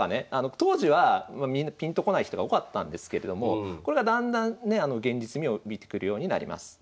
当時はピンとこない人が多かったんですけれどもこれがだんだんね現実味を帯びてくるようになります。